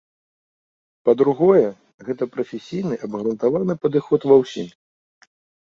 Па-другое, гэта прафесійны абгрунтаваны падыход ва ўсім.